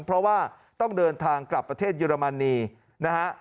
เพราะว่าต้องเดินทางกลับประเทศเยอรมนีนะฮะ